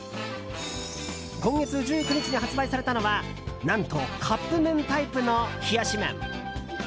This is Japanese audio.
今月１９日に発売されたのは何とカップ麺タイプの冷やし麺。